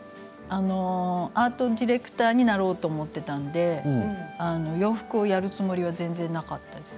アートディレクターになろうと思っていたので洋服をやるつもりは全然なかったです。